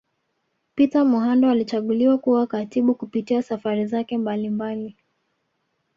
Peter Muhando alichaguliwa kuwa katibu Kupitia Safari zake mbalimbali